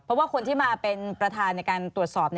เพราะว่าคนที่มาเป็นประธานในการตรวจสอบ